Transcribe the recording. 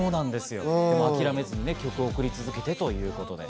諦めずに曲を送り続けてということで。